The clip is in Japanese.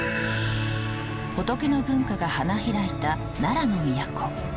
仏の文化が花開いた奈良の都。